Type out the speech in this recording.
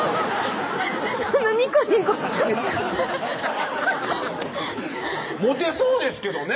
そんなニコニコモテそうですけどね